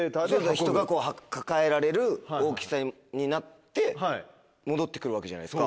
人が抱えられる大きさになって戻って来るわけじゃないですか。